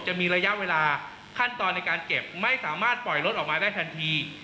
จะมีระยะเวลาขั้นตอนในการเก็บไม่สามารถปล่อยรถออกมาได้ทันที